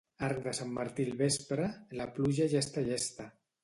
Arc de sant Martí al vespre, la pluja ja està llesta.